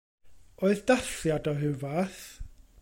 Oedd dathliad o ryw fath?